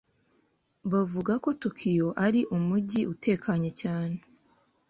Bavuga ko Tokiyo ari umujyi utekanye cyane.